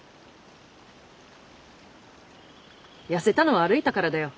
痩せたのは歩いたからだよ。